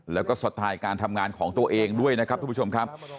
แล้วก็สไตล์การทำงานของตัวเองด้วยนะครับทุกผู้ชมครับ